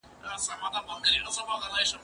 مينه وښيه،